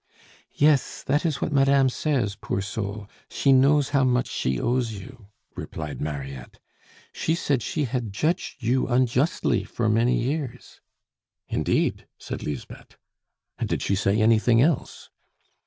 "Yes, that is what madame says, poor soul! She knows how much she owes you," replied Mariette. "She said she had judged you unjustly for many years " "Indeed!" said Lisbeth. "And did she say anything else?"